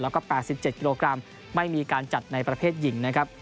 แล้วก็๘๗กิโลกรัมไม่มีการจัดในประเภทหญิงนะครับ